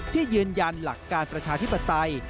ที่ยืนยันหลักการประชาธิปไตย